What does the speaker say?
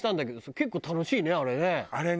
結構楽しいねあれね。